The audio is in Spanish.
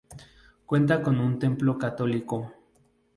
Cuenta con un templo católico.